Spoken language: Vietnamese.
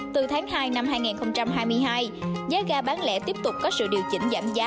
từ tháng hai năm hai nghìn hai mươi hai giá ga bán lẻ tiếp tục có sự điều chỉnh giảm giá